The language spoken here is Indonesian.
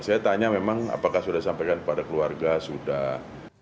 saya tanya memang apakah sudah disampaikan kepada keluarga sudah